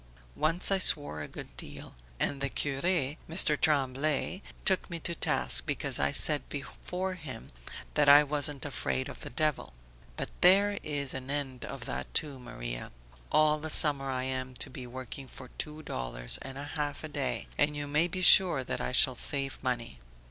Once I swore a good deal, and the cure, Mr. Tremblay, took me to task because I said before him that I wasn't afraid of the devil. But there is an end of that too, Maria. All the summer I am to be working for two dollars and a half a day and you may be sure that I shall save money.